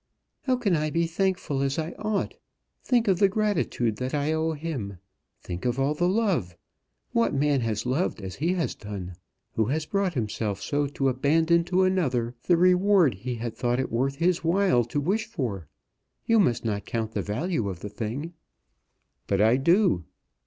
"How can I be thankful as I ought? Think of the gratitude that I owe him, think of all the love! What man has loved as he has done? Who has brought himself so to abandon to another the reward he had thought it worth his while to wish for? You must not count the value of the thing." "But I do."